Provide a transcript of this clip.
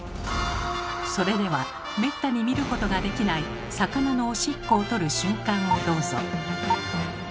それではめったに見ることができない魚のおしっこをとる瞬間をどうぞ。